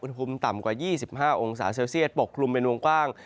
ภูมิต่ำกว่า๒๕องศาเซลเซียตปกคลุมเป็นวงกว้าง